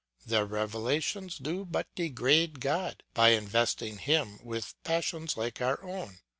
Their revelations do but degrade God, by investing him with passions like our own.